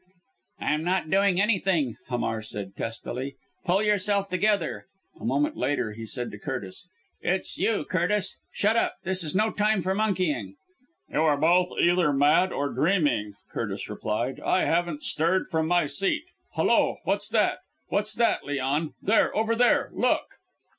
"I'm not doing anything," Hamar said testily. "Pull yourself together." A moment later he said to Curtis, "It's you, Curtis. Shut up. This is no time for monkeying." "You are both either mad or dreaming," Curtis replied. "I haven't stirred from my seat. Hulloa! What's that? What's that, Leon? There over there! Look!"